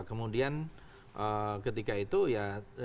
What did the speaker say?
kemudian ketika itu ya